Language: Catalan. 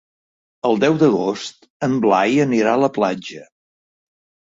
El deu d'agost en Blai anirà a la platja.